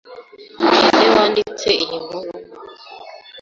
Ninde wanditse iyi nkuru?